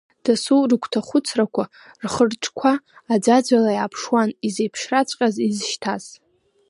Дасу рыгәҭахәыцрақәа, рхырҿқәа аӡәаӡәала иааԥшуан изеиԥшраҵәҟьаз, изышьҭаз.